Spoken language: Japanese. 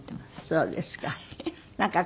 そうですか。